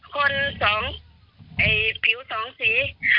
คน๒ผิว๒สี